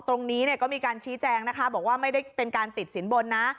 ตรงนี้เนี่ยก็มีการชี้แจงนะคะบอกว่าไม่ได้เป็นการติดสินบนนะ